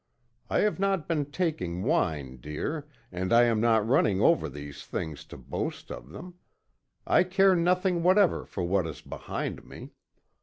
I have not been taking wine, dear, and I am not running over these things to boast of them. I care nothing whatever for what is behind me.